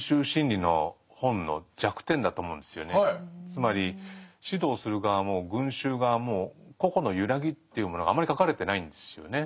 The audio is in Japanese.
つまり指導する側も群衆側も「個々の揺らぎ」っていうものがあまり書かれてないんですよね。